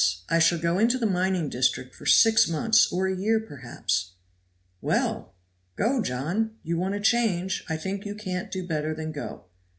I shall go into the mining district for six months or a year, perhaps." "Well! go, John! you want a change. I think you can't do better than go."